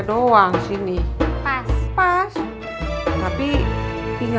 strde yang mana dia isterpanya